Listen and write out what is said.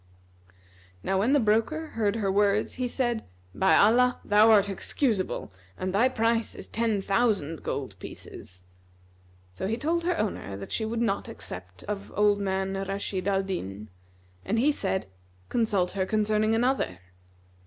'" Now when the broker heard her words he said, "By Allah, thou art excusable, and thy price is ten thousand gold pieces!" So he told her owner that she would not accept of old man Rashid al Din, and he said, "Consult her concerning another."